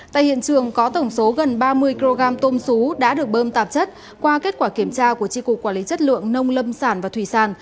tại hiện trường có tổng số gần ba mươi kg tôm xú đã được bơm tạp chất qua kết quả kiểm tra của tri cục quản lý chất lượng nông lâm sản và thủy sản